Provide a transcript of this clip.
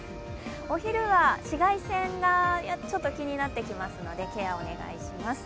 お昼は紫外線がちょっと気になってきますので、ケアをお願いします。